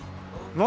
何？